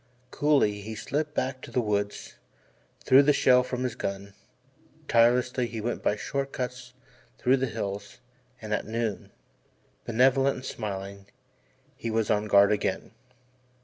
Coolly he slipped back to the woods, threw the shell from his gun, tirelessly he went by short cuts through the hills, and at noon, benevolent and smiling, he was on guard again.